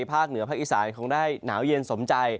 ภาคเหนือภาคอีสานคงได้หนาวเย็นสมใจ